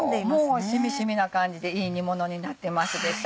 もう染み染みな感じでいい煮ものになってますでしょ？